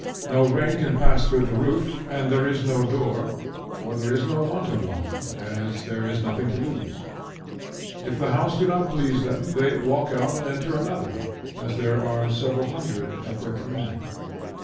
No rain can pass through the roof, and there is no door, for there is no want of one, as there is nothing to lose. If the house do not please them, they walk out and enter another, as there are several hundreds at their command.